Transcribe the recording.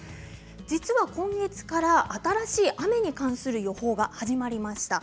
実は今月から新しい雨に関する予報が始まりました。